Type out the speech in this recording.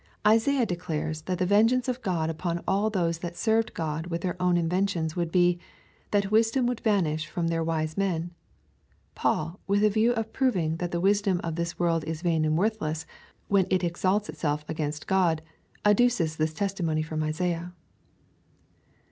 Isaiah declares that the vengeance of God xipon all those that served God with their own inventions would be, that wisdom would vanish fro'm their wise men. Paul, with the view of proving that the wisdom of tliis world is vain and worthless, when it exalts itself against God, adduces this testimony from Isaiah.